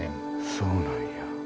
そうなんや。